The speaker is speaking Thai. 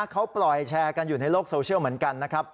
เขาปล่อยแชร์กันอยู่ในโลกโซเชียลเหมือนกันนะครับ